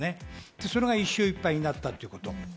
それが１勝１敗になったということ。